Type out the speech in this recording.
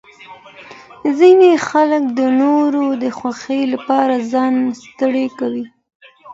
ځینې خلک د نورو د خوښۍ لپاره ځان ستړی کوي.